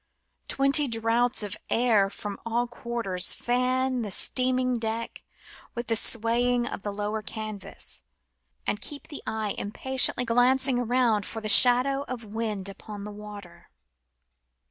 Twenty draughts of air from all quarters fan the steam ing decks with the swaying of the lower canvas, and keep the eye impatiently glancing around for the shadow of wind upon the water.